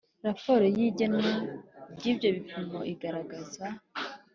raporo y igenwa ry ibyo bipimo igaragaza